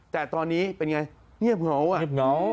แต่ตอนนี้เป็นอย่างไรเงียบเหงา